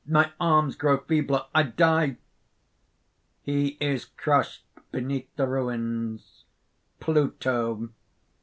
My arms grow feebler: I die!" (He is crushed beneath the ruins.) PLUTO.